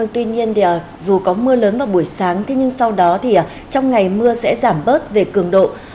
tuy nhiên dù có mưa lớn vào buổi sáng thế nhưng sau đó thì trong ngày mưa sẽ giảm bớt về cường độ